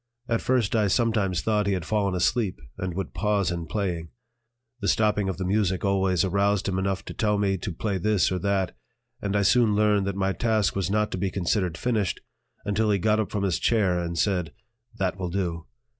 At first I sometimes thought he had fallen asleep and would pause in playing. The stopping of the music always aroused him enough to tell me to play this or that; and I soon learned that my task was not to be considered finished until he got up from his chair and said: "That will do."